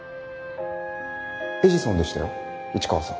エジソンでしたよ市川さん。